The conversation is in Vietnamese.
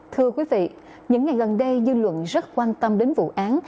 thưa quý vị những ngày gần đây dư luận rất quan tâm đến vụ án